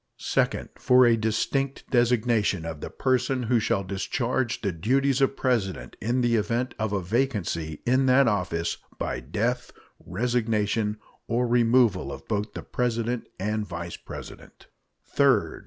Second. For a distinct designation of the person who shall discharge the duties of President in the event of a vacancy in that office by the death, resignation, or removal of both the President and Vice President. Third.